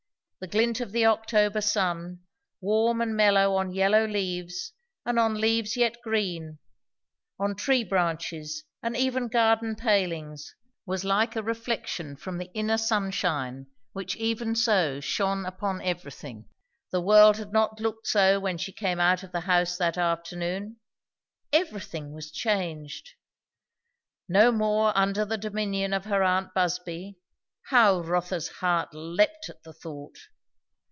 The glint of the October sun, warm and mellow on yellow leaves and on leaves yet green, on tree branches and even garden palings, was like a reflection from the inner sunshine which even so shone upon everything. The world had not looked so when she came out of the house that afternoon; everything was changed. No more under the dominion of her aunt Busby! how Rotha's heart leapt at the thought.